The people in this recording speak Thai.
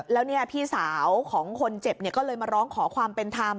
แล้วพี่สาวของคนเจ็บก็เลยมาร้องขอความเป็นธรรม